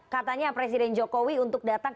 katanya presiden jokowi untuk datang